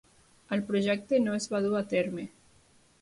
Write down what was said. El projecte no es va dur a terme.